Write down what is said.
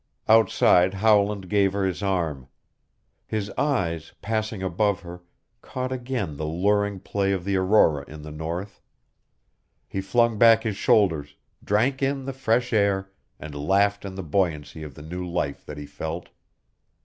Outside Howland gave her his arm. His eyes, passing above her, caught again the luring play of the aurora in the north. He flung back his shoulders, drank in the fresh air, and laughed in the buoyancy of the new life that he felt.